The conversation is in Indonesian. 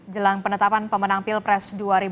jelang penetapan pemenang pilpres dua ribu dua puluh empat